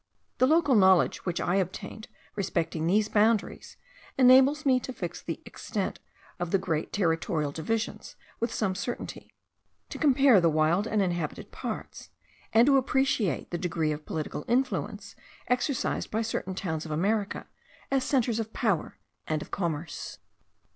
The local knowledge which I obtained respecting these boundaries, enables me to fix the extent of the great territorial divisions with some certainty, to compare the wild and inhabited parts, and to appreciate the degree of political influence exercised by certain towns of America, as centres of power and of commerce.